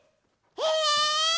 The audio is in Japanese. え！？